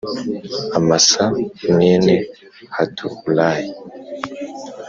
Amasa mwene Hadulayi